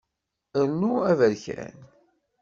Rnu aberkan.